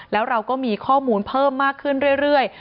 แล้วเราก็มีข้อมูลเพิ่มมากขึ้นเรื่อย